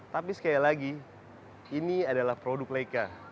tapi sekali lagi ini adalah produk leica